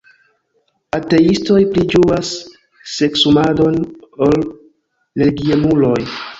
"Ateistoj pli ĝuas seksumadon ol religiemuloj."